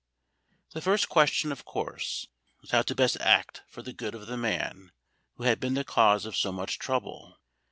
The first question, of course, was how best to act for the good of the man who had been the cause of so much trouble.